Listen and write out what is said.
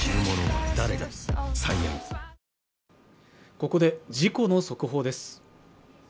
ここで事故の速報です。